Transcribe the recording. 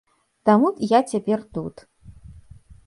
Таму я цяпер тут.